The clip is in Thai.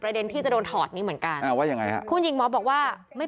เด็นที่จะโดนถอดนี้เหมือนกันอ่าว่ายังไงฮะคุณหญิงหมอบอกว่าไม่